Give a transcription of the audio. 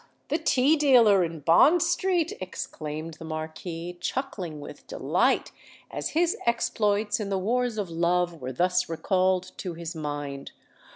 the tea dealer in Bond Street!" exclaimed the Marquis, chuckling with delight as his exploits in the wars of love were thus recalled to his mind.